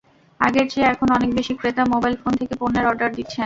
আগের চেয়ে এখন অনেক বেশি ক্রেতা মোবাইল ফোন থেকে পণ্যের অর্ডার দিচ্ছেন।